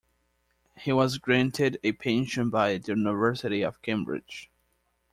He was granted a pension by the University of Cambridge.